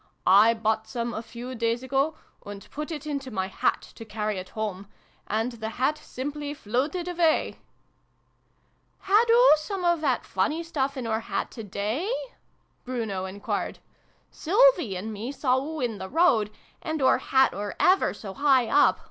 " I bought some, a few days ago, and put it into my hat, to carry it home, and the hat simply floated away !"" Had oo some of that funny stuff in oor hat today?" Bruno enquired. " Sylvie and me saw oo in the road, and oor hat were ever so high up